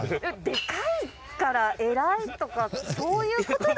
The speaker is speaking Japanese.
でかいから偉いとかそういう事ではない。